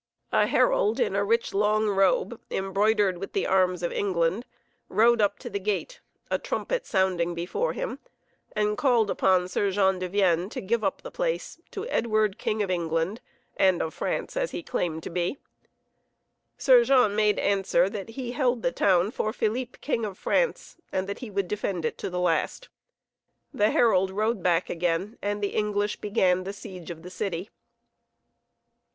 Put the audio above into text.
A herald, in a rich long robe embroidered with the arms of England, rode up to the gate, a trumpet sounding before him, and called upon Sir Jean de Vienne to give up the place to Edward, King of England, and of France, as he claimed to be. Sir Jean made answer that he held the town for Philippe, King of France, and that he would defend it to the last; the herald rode back again and the English began the siege of the city.